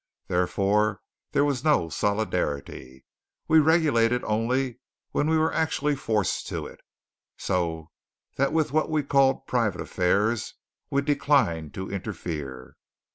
Therefore there was no solidarity. We regulated only when we were actually forced to it; so that with what we called "private affairs" we declined to interfere.